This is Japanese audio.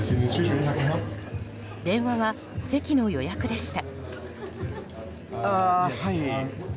電話は席の予約でした。